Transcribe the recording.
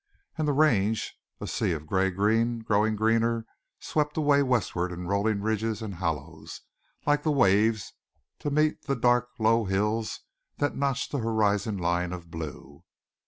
And the range, a sea of gray green growing greener, swept away westward in rolling ridges and hollows, like waves to meet the dark, low hills that notched the horizon line of blue.